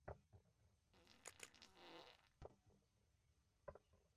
কিন্তু সে ব্যস মারতেই থাকে।